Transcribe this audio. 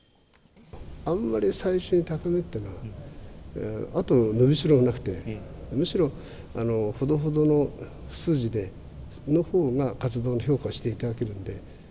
あんまり最初に高めっていうのは、あと伸びしろはなくて、むしろ、ほどほどの数字のほうが活動を評価していただけるので。